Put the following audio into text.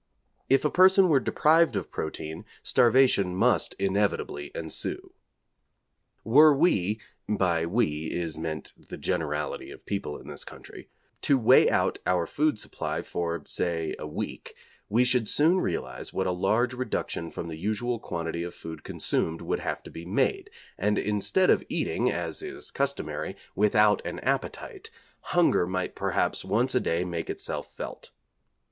If a person were deprived of protein starvation must inevitably ensue. Were we (by 'we' is meant the generality of people in this country), to weigh out our food supply, for, say a week, we should soon realise what a large reduction from the usual quantity of food consumed would have to be made, and instead of eating, as is customary, without an appetite, hunger might perhaps once a day make itself felt.